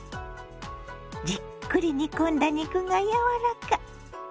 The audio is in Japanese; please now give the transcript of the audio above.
じっくり煮込んだ肉が柔らか。